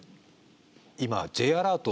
今Ｊアラート